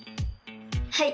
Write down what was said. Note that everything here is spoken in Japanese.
はい！